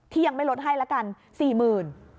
ที่ยังไม่ลดให้ละกันสี่หมื่น